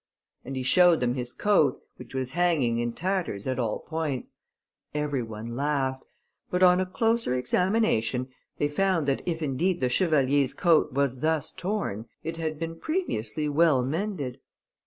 and he showed them his coat, which was hanging in tatters at all points. Every one laughed; but on a closer examination, they found, that if indeed the chevalier's coat was thus torn, it had been previously well mended.